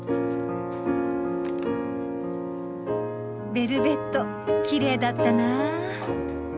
ベルベットきれいだったな。